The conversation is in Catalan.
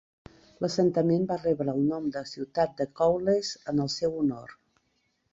L'assentament va rebre el nom de ciutat de Cowles en el seu honor.